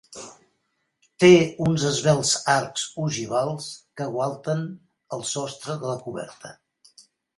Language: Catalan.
Té uns esvelts arcs ogivals que aguanten el sostre de la coberta.